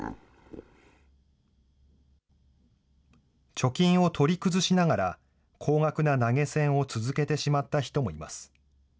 貯金を取り崩しながら、高額な投げ銭を続けてしまった人もいます。